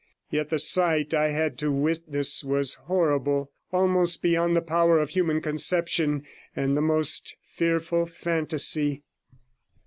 Yet the sight I had to witness was horrible, almost beyond the power of human conception and the most fearful fantasy.